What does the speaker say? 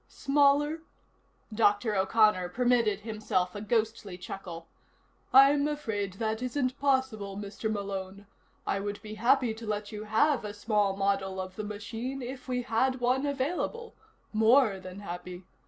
"Smaller?" Dr. O'Connor permitted himself a ghostly chuckle. "I'm afraid that isn't possible, Mr. Malone. I would be happy to let you have a small model of the machine if we had one available more than happy.